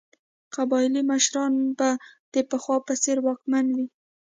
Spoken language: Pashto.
قبایلي مشران به د پخوا په څېر واکمن وي.